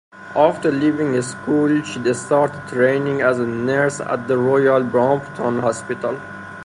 After leaving school, she started training as a nurse at the Royal Brompton Hospital.